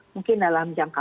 mungkin dalam jangka